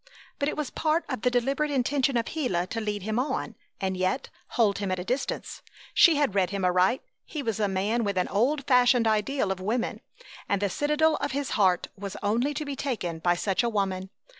But it was part of the deliberate intention of Gila to lead him on and yet hold him at a distance. She had read him aright. He was a man with an old fashioned ideal of woman, and the citadel of his heart was only to be taken by such a woman.